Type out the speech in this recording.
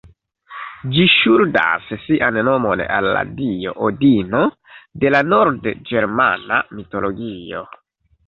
Ĝi ŝuldas sian nomon al la dio Odino de la nord-ĝermana mitologio.